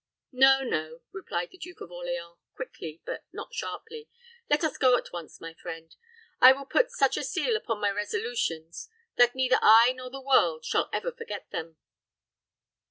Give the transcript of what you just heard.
"No, no," replied the Duke of Orleans, quickly, but not sharply; "let us go at once, my friend. I will put such a seal upon my resolutions, that neither I nor the world shall ever forget them."